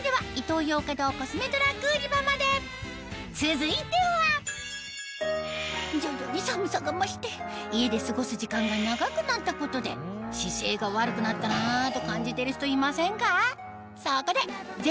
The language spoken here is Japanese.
お店では続いては徐々に寒さが増して家で過ごす時間が長くなったことで姿勢が悪くなったなと感じてる人いませんか？